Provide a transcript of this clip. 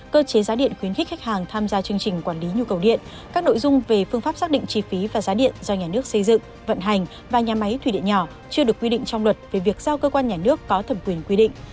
cơ chế giá điện khuyến khích khách hàng tham gia chương trình quản lý nhu cầu điện các nội dung về phương pháp xác định chi phí và giá điện do nhà nước xây dựng vận hành và nhà máy thủy điện nhỏ chưa được quy định trong luật về việc giao cơ quan nhà nước có thẩm quyền quy định